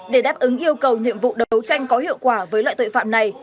để đáp ứng yêu cầu nhiệm vụ đấu tranh có hiệu quả với loại tội phạm này